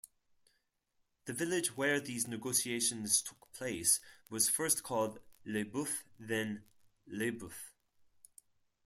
The village where these negotiations took place was first called "Les Boeufs" then "Lesboeufs".